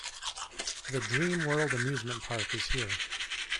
The Dream World amusement park is here.